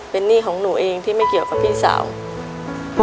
เป็นหนี้ของหนูเองที่ไม่เกี่ยวกับพี่สาว